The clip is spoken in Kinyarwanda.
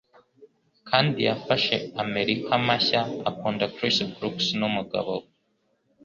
Kandi yafashe amerika mashya akunda chris brooks numugabo na.